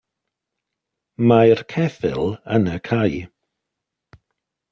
Mae'r ceffyl yn y cae.